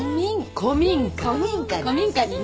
古民家に。